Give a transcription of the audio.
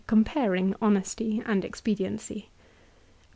Comparing Honesty and Expediency.